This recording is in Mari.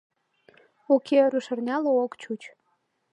Уке, рушарняла ок чуч.